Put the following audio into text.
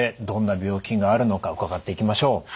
どんな病気があるのか伺っていきましょう。